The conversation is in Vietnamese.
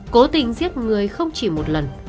cố tình giết người không chỉ một lần